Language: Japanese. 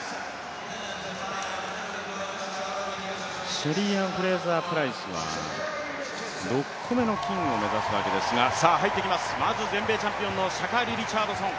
シェリーアン・フレイザープライスは６個目の金を目指すわけですがさあ、入ってきます、まず全米チャンピオンのシャカリ・リチャードソン。